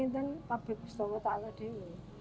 kita berpikir setawa tak ada dia